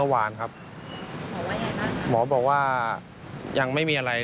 แต่ว่าผลเลือดที่ฉันทราบเมื่อวานยังไม่มีอะไร